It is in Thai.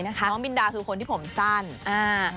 น้องมินดาเองร้องไห้ตลอดเลยนะ